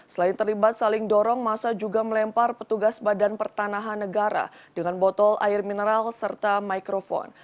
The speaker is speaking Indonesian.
selain terlibat saling dorong masa juga melempar petugas badan pertanahan negara dengan botol air mineral serta mikrofon